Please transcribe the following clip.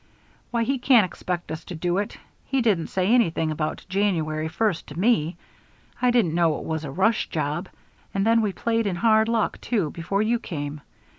"Why, he can't expect us to do it. He didn't say anything about January first to me. I didn't know it was a rush job. And then we played in hard luck, too, before you came.